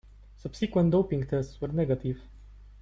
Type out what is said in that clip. Subsequent doping tests were negative.